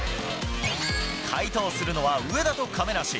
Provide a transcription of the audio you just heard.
解答するのは上田と亀梨。